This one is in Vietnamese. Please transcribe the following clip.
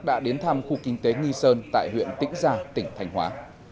đã đến thăm khu kinh tế nghi sơn tại huyện tĩnh gia tỉnh thành hóa